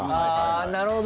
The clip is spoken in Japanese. あなるほど。